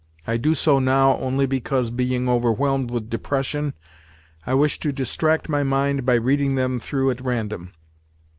I do so now only because, being overwhelmed with depression, I wish to distract my mind by reading them through at random.